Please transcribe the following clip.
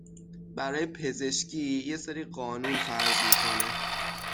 برای پزشکی یه سری قانون فرض میکنه